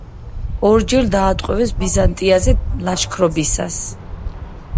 ორჯერ დაატყვევეს ბიზანტიაზე ლაშქრობისას.